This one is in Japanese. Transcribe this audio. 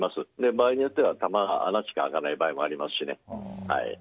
場合によっては穴しか開かない場合もありますし。